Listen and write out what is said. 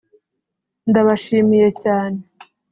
Ndabashimiye cyane